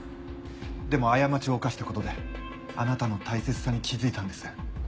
でも過ちを犯したことであなたの大切さに気付いたんです。